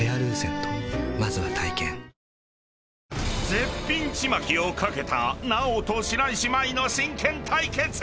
［絶品ちまきを懸けた奈緒と白石麻衣の真剣対決！］